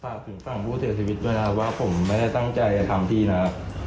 สาธารณ์ผู้เสียชีวิตว่าผมไม่ได้ตั้งใจทำพี่นะครับ